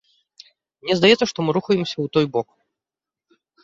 Мне здаецца, што мы рухаемся ў той бок.